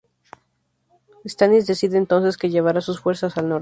Stannis decide entonces que llevará sus fuerzas al Norte.